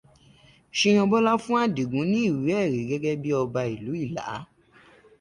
Ṣiyanbọ́lá fún Àdìgún ní ìwé ẹ̀rí gẹ́gẹ́ bí ọba ìlú ìlá.